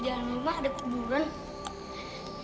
kalau kita preparuh creeper